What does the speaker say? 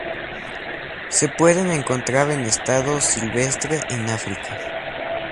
Se pueden encontrar en estado silvestre en África.